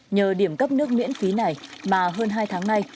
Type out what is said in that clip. nhờ điểm cấp nước miễn phí này mà hơn hai tháng nay